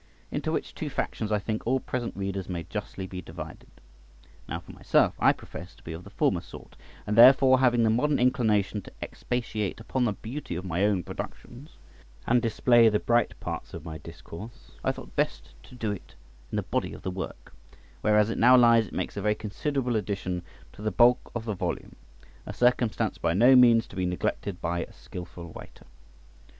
Into which two factions I think all present readers may justly be divided. Now, for myself, I profess to be of the former sort, and therefore having the modern inclination to expatiate upon the beauty of my own productions, and display the bright parts of my discourse, I thought best to do it in the body of the work, where as it now lies it makes a very considerable addition to the bulk of the volume, a circumstance by no means to be neglected by a skilful writer.